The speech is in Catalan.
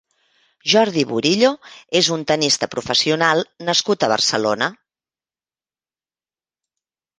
Jordi Burillo és un tennista professional nascut a Barcelona.